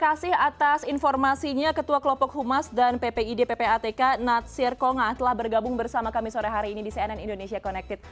terima kasih atas informasinya ketua kelompok humas dan ppid ppatk natsir konga telah bergabung bersama kami sore hari ini di cnn indonesia connected